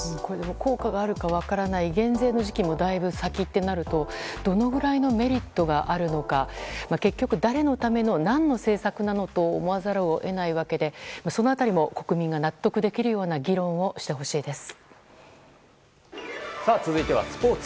効果があるか分からない減税の時期もだいぶ先となるとどのくらいのメリットがあるのか結局、誰のための何の政策なのと思わざるを得ないわけでその辺りも国民が納得できるような議論をさあ、続いてはスポーツ。